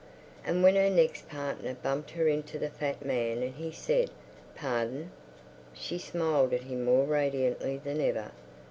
And when her next partner bumped her into the fat man and he said, "Par_don_," she smiled at him more radiantly than ever.